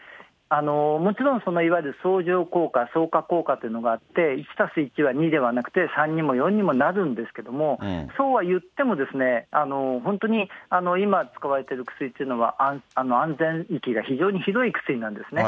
もちろん、いわゆる相乗効果、そうか効果というのがあって、１たす１は２じゃなくて、３にも４にもなるんですけれども、そうは言ってもですね、本当に今使われてる薬というのは安全域が非常に広い薬なんですね。